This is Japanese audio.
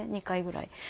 ２回ぐらい。